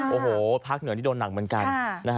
โอ้โหภาคเหนือนี่โดนหนักเหมือนกัน